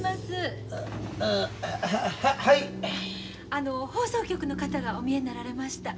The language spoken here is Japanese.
あの放送局の方がお見えになられました。